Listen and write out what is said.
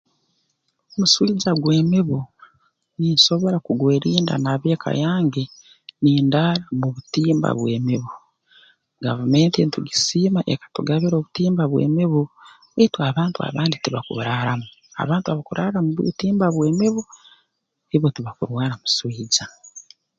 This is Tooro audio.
Muswija gw'emibu ninsobora kugwerinda n'ab'eka yange nindaara mu butimba bw'emibu gavumenti ntugisiima ekatugabira obutimba bw'emibu baitu abantu abandi tibakuburaaramu abantu abakuburaara mu butimba bw'emibu hibo tibakurwara muswija